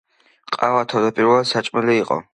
ყავა თავდაპირველად საჭმელი იყო.